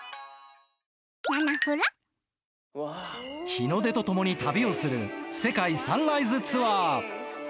日の出とともに旅をする「世界サンライズツアー」。